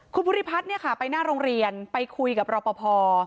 คุณภูริพัฒน์ไปหน้าโรงเรียนไปคุยกับรอปภ